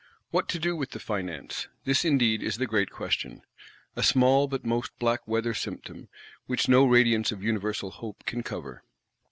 What to do with the Finance? This indeed is the great question: a small but most black weather symptom, which no radiance of universal hope can cover.